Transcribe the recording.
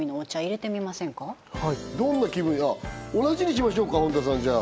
淹れてみませんかどんな気分同じにしましょうか本田さんじゃあ